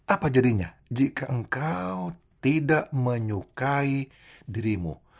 apa jadinya jika engkau tidak menyukai dirimu